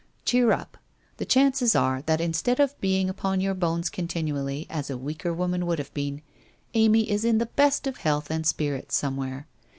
Cheer up! The chances are that instead of being upon your bones continually, as a weaker woman would have been, Amy is in the best of health and spirits somewhere.